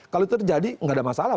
kalau itu terjadi nggak ada masalah